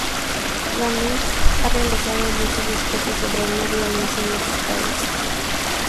Gandhi ha realizado muchos discursos sobre la no violencia en muchos países.